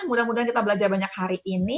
mudah mudahan kita belajar banyak hari ini